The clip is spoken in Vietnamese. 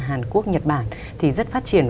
hàn quốc nhật bản thì rất phát triển